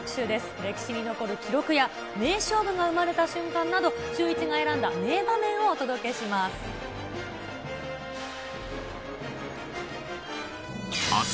歴史に残る記録や名勝負が生まれた瞬間など、シューイチが選んだ名場面をお届けします。